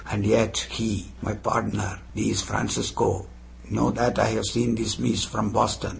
And yet he, my pardner thees Francisco know that I have seen the mees from Boston!